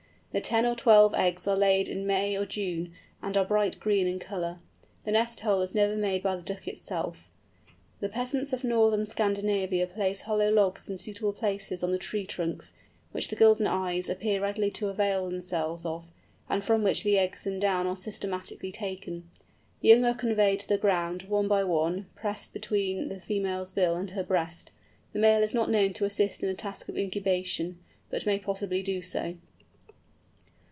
The ten or twelve eggs are laid in May or June, and are bright green in colour. The nest hole is never made by the Duck itself. The peasants of Northern Scandinavia place hollow logs in suitable places on the tree trunks, which the Golden Eyes appear readily to avail themselves of, and from which the eggs and down are systematically taken. The young are conveyed to the ground, one by one, pressed between the female's bill and her breast. The male is not known to assist in the task of incubation, but may possibly do so.